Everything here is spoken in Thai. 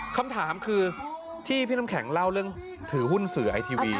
คำถามคือที่พี่น้ำแข็งเล่าเรื่องถือหุ้นสื่อไอทีวี